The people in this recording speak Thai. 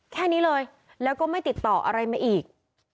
แค่นี้เลยแล้วก็ไม่ติดต่ออะไรมาอีก